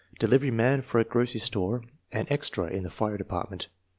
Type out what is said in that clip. Deliveryman for a grocery store and "ex tra " in the fire department.